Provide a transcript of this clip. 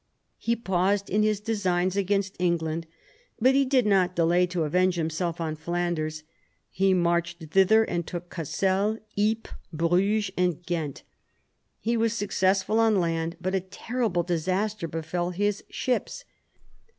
He paused in his designs against England, but he did not delay to avenge himself on Flanders. He marched thither and took Cassel, Ypres, Bruges, and Ghent. He was successful on land, but a terrible disaster befell his ships.